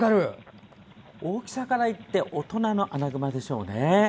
大きさから言って大人のアナグマでしょうね。